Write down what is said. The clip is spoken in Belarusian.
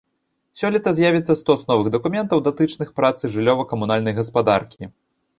Сёлета з'явіцца стос новых дакументаў, датычных працы жыллёва-камунальнай гаспадаркі.